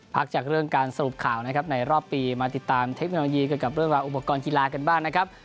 พักจากเรื่องการสรุปข่าวนะครับในรอบปีมาติดตามเทคโนโลยีเกี่ยวกับเรื่องราวอุปกรณ์กีฬากันบ้างนะครับ